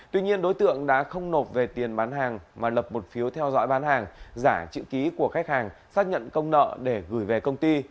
tuy nhiên đối tượng đã không nộp về tiền bán hàng mà lập một phiếu theo dõi bán hàng giả chữ ký của khách hàng xác nhận công nợ để gửi về công ty